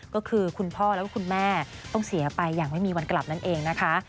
ก็คือคุณพ่อแล้วก็คุณแม่ต้องเสียไปอย่างไม่มีวันกลับนั่นเองนะคะ